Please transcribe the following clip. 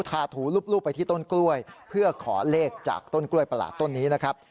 ถูรูปไปที่ต้นกล้วยเพื่อขอเลขจากต้นกล้วยประหลาดต้นนี้นะครับ